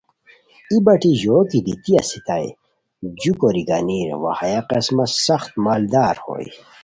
ای بٹی ژو کی دیتی استائے جو کوری گانیر وا ہیہ قسمہ سخت مالدار ہوئے